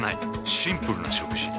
シンプルな食事。